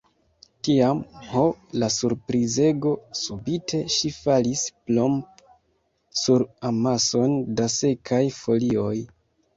Tiam, ho, la surprizego!, subite ŝi falis plomp! sur amason da sekaj folioj.